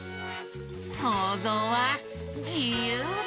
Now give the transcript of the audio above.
そうぞうはじゆうだ！